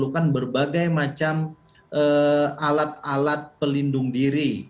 diperlukan berbagai macam alat alat pelindung diri